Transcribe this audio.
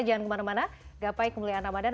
jangan kemana mana gapai kemuliaan ramadan